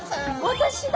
私だ！